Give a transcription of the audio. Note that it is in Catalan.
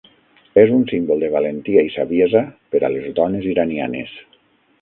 És un símbol de valentia i saviesa per a les dones iranianes.